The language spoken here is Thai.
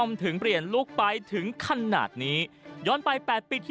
มีการเคลียรภาค